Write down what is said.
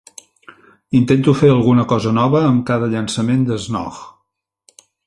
Intento fer alguna cosa nova amb cada llançament de Snog.